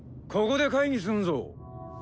ここで会議すんぞ！